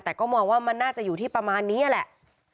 แต่ก็มองว่ามันน่าจะอยู่ที่ประมาณนี้แหละ